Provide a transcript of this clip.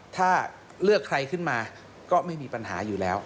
ถ้าเลือกใครขึ้นมาก็ไม่มีปัญหาอยู่แล้ว